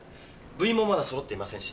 部員もまだそろっていませんし。